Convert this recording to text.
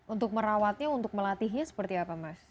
untuk merawatnya untuk melatihnya seperti apa mas